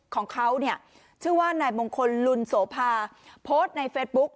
ของเขาเนี่ยชื่อว่านายมงคลลุนโสภาโพสต์ในเฟซบุ๊ก